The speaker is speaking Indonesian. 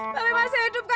tapi masih hidup kan be